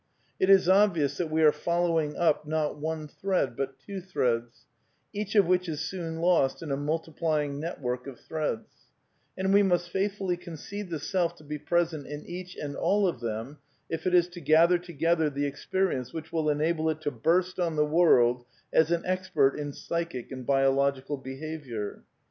It is obvious that we are following up, not one thread but two threads, each of which is soon lost in a multiplying network of threads ; and we must faith fully concede the self to be present in each and all of them if it is to gather together the experience which will enable it to burst on the world as an expert in psychic and bio logical behaviour.